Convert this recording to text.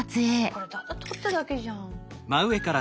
これただ撮っただけじゃん。